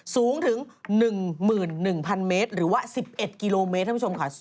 สูงถึง๑๑๐๐เมตรหรือว่า๑๑กิโลเมตรท่านผู้ชมค่ะ